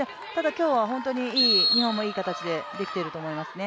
今日は本当に日本もいい形でできていると思いますね。